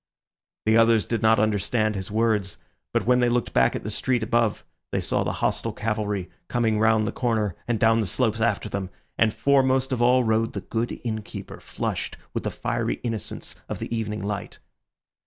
The others did not understand his words, but when they looked back at the street above they saw the hostile cavalry coming round the corner and down the slopes after them; and foremost of all rode the good innkeeper, flushed with the fiery innocence of the evening light.